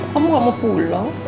kamu gak mau pulang